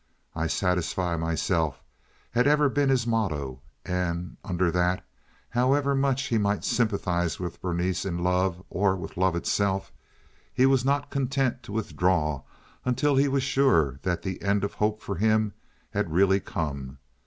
"I satisfy myself," had ever been his motto, and under that, however much he might sympathize with Berenice in love or with love itself, he was not content to withdraw until he was sure that the end of hope for him had really come.